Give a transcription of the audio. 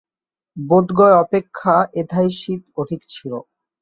বোধগয়া অপেক্ষা এথায় শীত অধিক ছিল।